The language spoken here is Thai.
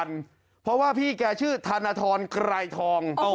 เพราะว่าพี่แกชื่อธนทรไกรทอง